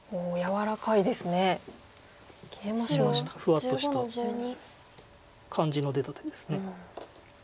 ふわっとした感じの出た手です。